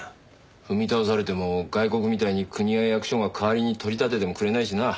踏み倒されても外国みたいに国や役所が代わりに取り立ててもくれないしな。